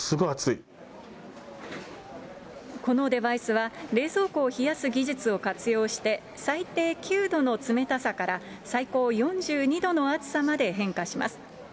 ああ、このデバイスは、冷蔵庫を冷やす技術を活用して、最低９度の冷たさから、最高４２度の熱さまで変化します。